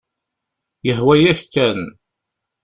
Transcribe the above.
Yehwa-yak kan.